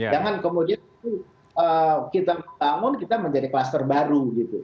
jangan kemudian kita bangun kita menjadi kluster baru gitu